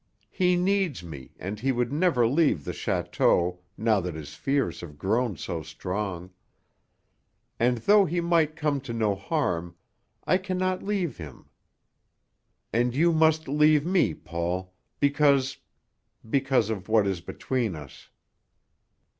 He needs me, and he would never leave the château now that his fears have grown so strong. And, though he might come to no harm, I cannot leave him. And you must leave me, Paul, because because of what is between us.